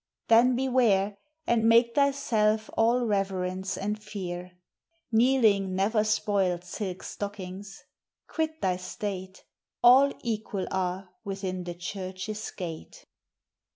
Then beware, And make thyself all reverence and fear. Kneeling ne'er spoiled silk stockings; quit thy state; All equal are within the church's gate.